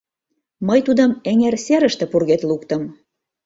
Мый тудым эҥер серыште пургед луктым...